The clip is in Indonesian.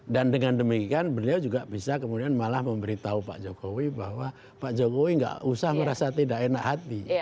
dan dengan demikian beliau juga bisa kemudian malah memberitahu pak jokowi bahwa pak jokowi gak usah merasa tidak enak hati